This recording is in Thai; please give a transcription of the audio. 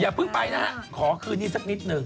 เพิ่งไปนะฮะขอคืนนี้สักนิดหนึ่ง